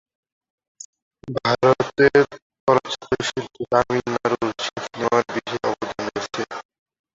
ভারতের চলচ্চিত্র শিল্পে তামিলনাড়ুর সিনেমার বিশেষ অবদান রয়েছে।